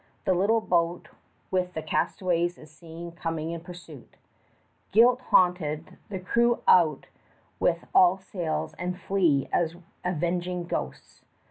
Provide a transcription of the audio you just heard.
The little boat with the castaways is seen coming in pursuit. Guilt haunted, the crew out with all sails and flee as from avenging ghosts.